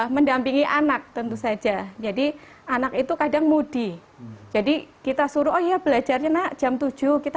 mendampingi anak tentu saja jadi anak itu kadang moody jadi kita suruh oh iya belajarnya nak jam tujuh kita